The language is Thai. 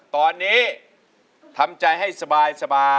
ตอนนี้ทำใจให้สบาย